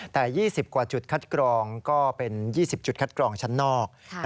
แต่๒๐กว่าจุดคัดกรองก็เป็น๒๐จุดคัดกรองชั้นนอก